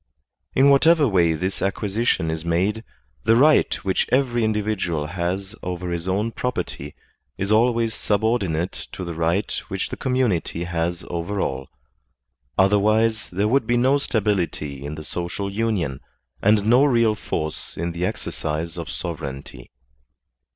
In whatever way this acquisition is made, the right which every individual has over his own property is always subordinate to the right which the community has over all; otherwise there would be no stability in the social union, and no real force in the exercise of sovereignty.